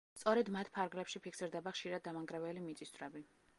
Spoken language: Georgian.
სწორედ მათ ფარგლებში ფიქსირდება ხშირად დამანგრეველი მიწისძვრები.